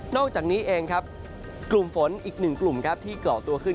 อกจากนี้เองครับกลุ่มฝนอีกหนึ่งกลุ่มครับที่เกาะตัวขึ้น